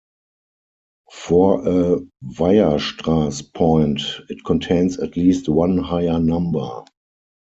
For a Weierstrass point it contains at least one higher number.